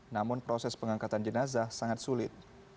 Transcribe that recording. namun proses pengangkatan jenazah sangat sulit